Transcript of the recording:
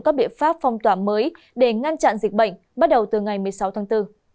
các biện pháp phong tỏa mới để ngăn chặn dịch bệnh bắt đầu từ ngày một mươi sáu tháng bốn